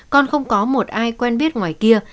con không có một ai quen biết ngoài kia